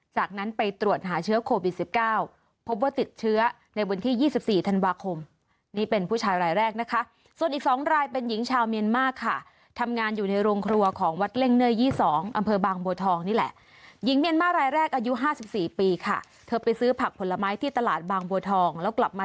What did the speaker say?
จากนั้นไปตรวจหาเชื้อโควิด๑๙พบว่าติดเชื้อในวันที่๒๔ธันวาคมนี่เป็นผู้ชายรายแรกนะคะส่วนอีก๒รายเป็นหญิงชาวเมียนมาร์ค่ะทำงานอยู่ในโรงครัวของวัดเล่งเนื้อ๒๒อำเภอบางบัวทองนี่แหละหญิงเมียนมาร์รายแรกอายุ๕๔ปีค่ะเธอไปซื้อผักผลไม้ที่ตลาดบางบัวทองแล้วกลับมา